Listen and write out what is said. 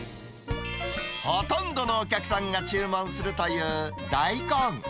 ほとんどのお客さんが注文するという大根。